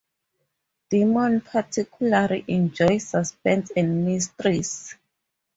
Dimon particularly enjoyed suspense and mysteries.